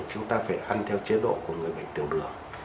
chúng ta phải ăn theo chế độ của người bệnh tiểu đường